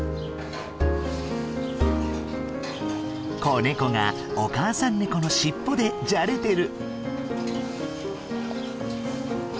子ネコがお母さんネコの尻尾でじゃれてる。